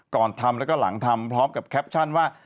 ก่อนทำแล้วก็หลังทำพร้อมกับแคปชั่นว่า